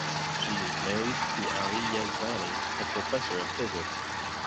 She is married to Ali Yazdani, a professor of physics.